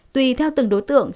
tùy theo từng đối tượng